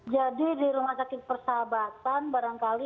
jadi di rumah sakit persahabatan barangkali